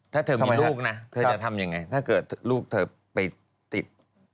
ถ้าเธอมีลูกนะเธอจะทำยังไงถ้าเกิดลูกเธอไปติด